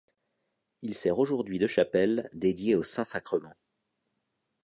Il sert aujourd'hui de chapelle, dédiée au Saint-Sacrement.